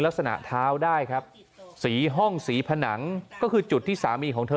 เท้าได้ครับสีห้องสีผนังก็คือจุดที่สามีของเธอ